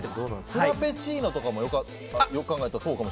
フラペチーノとかもよく考えたらそうかも。